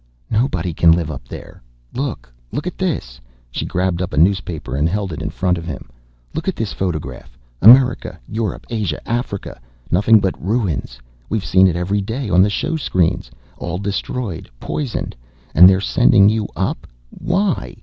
"Nobody can live up there. Look, look at this!" She grabbed up a newspaper and held it in front of him. "Look at this photograph. America, Europe, Asia, Africa nothing but ruins. We've seen it every day on the showscreens. All destroyed, poisoned. And they're sending you up. Why?